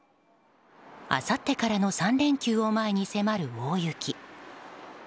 あさってからの３連休を前に迫る大雪。